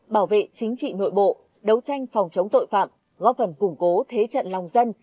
bảo vệ chính trị nội bộ đấu tranh phòng chống tội phạm góp phần củng cố thế trận lòng dân